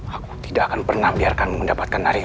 aku tidak akan pernah membiarkanmu mendapatkan nari rati